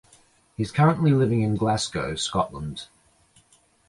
He is currently living in Glasgow, Scotland.